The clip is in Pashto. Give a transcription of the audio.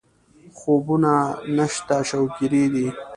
خوبونه نشته شوګېري دي